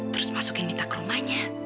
terus dimasukin minta ke rumahnya